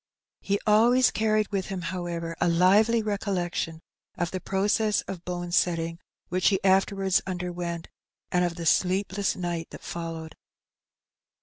He always carried with him, however, a lively recollection of the process of bone setting, which he afterwards underwent, and of the sleepless nig^ that followed.